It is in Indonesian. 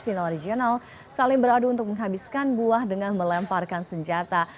final regional saling beradu untuk menghabiskan buah dengan melemparkan senjata